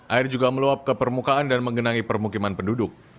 air juga meluap ke permukaan dan menggenangi permukiman penduduk